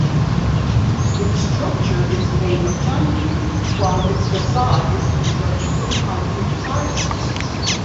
Its structure is made of concrete while its facade is constructed from ceramic tiles.